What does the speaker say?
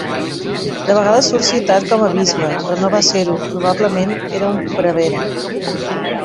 De vegades surt citat com a bisbe, però no va ser-ho: probablement era un prevere.